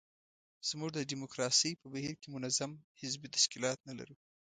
موږ د ډیموکراسۍ په بهیر کې منظم حزبي تشکیلات نه لرو.